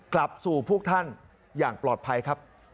กลับสู่พวกท่านอย่างปลอดภัยครับ